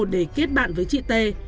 để kết bạn với chị t